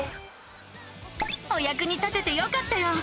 おやくに立ててよかったよ！